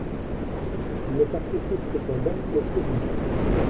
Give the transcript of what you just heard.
Elle ne participe cependant qu'aux séries.